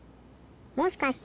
もしかして。